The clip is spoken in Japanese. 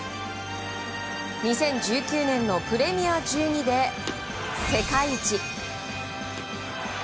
２０１９年のプレミア１２で世界一。